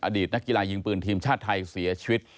อดีตนักกีฬายิงปืนทีมชาติไทยเสียชีวิต